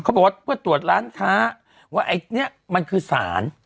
บอกว่าเพื่อตรวจร้านค้าว่าไอ้เนี่ยมันคือสาร